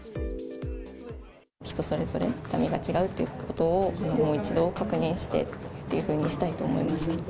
人それぞれ痛みが違うっていうことを、もう一度確認してっていうふうにしたいと思いました。